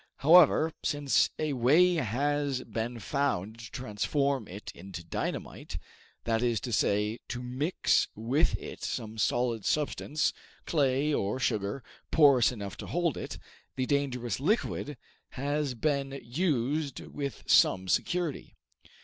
However, since a way has been found to transform it into dynamite, that is to say, to mix with it some solid substance, clay or sugar, porous enough to hold it, the dangerous liquid has been used with some security.